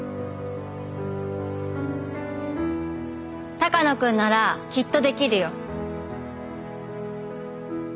鷹野君ならきっとできるよ。